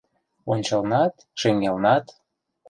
Ончылнат, шеҥгелнат.